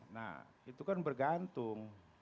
nah itu kan bergantung